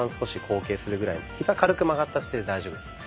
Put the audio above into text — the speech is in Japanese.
ひざ軽く曲がった姿勢で大丈夫です。